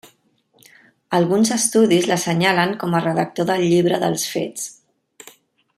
Alguns estudis l'assenyalen com a redactor del Llibre dels fets.